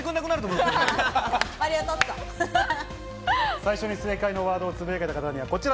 最初に正解のワードをつぶやけた方にはこちら。